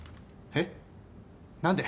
えっ何で？